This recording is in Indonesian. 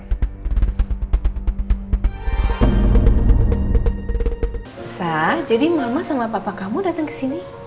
sah jadi mama sama papa kamu datang ke sini